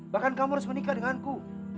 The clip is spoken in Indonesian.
bahkan kamu harus menikah denganku